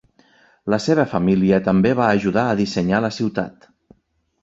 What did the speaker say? La seva família també va ajudar a dissenyar la ciutat.